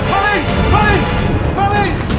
weh malik malik malik